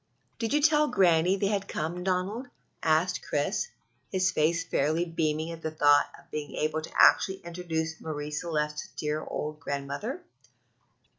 "Did you tell Granny they had come, Donald?" asked Chris, his face fairly beaming at the thought of being able to actually introduce Marie Celeste to the dear old grandmother.